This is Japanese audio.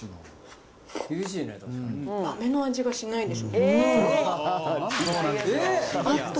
豆の味がしないです。